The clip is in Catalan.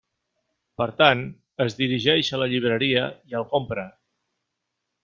Per tant, es dirigeix a la llibreria i el compra.